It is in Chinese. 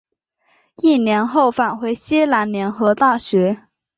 一年后返回西南联合大学。